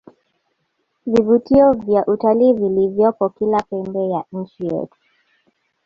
vivutio vya utalii vilivyopo kila pembe ya nchi yetu